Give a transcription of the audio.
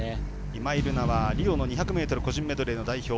今井月、リオの２００ｍ個人メドレーの代表。